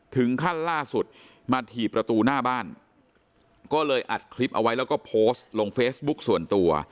ล่าสุดมาถี่ประตูหน้าบ้านก็เลยอัดคลิปเอาไว้แล้วก็โพสต์ลงเฟซบุ๊กส่วนตัว